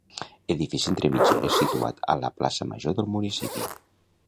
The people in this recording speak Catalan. Edifici entre mitgeres situat a la Plaça Major del municipi.